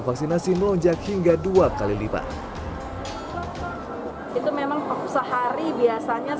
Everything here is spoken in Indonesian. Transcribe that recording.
vaksinasi melonjak hingga dua kali lipat itu memang sehari biasanya